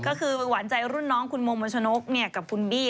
ก็คือหวานใจรุ่นน้องคุณโมมัชนกกับคุณบี้